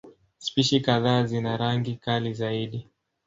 Spishi kadhaa zina rangi kali zaidi.